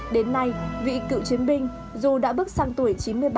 đến nay vị cựu chiến binh dù đã bước sang tuổi chín mươi ba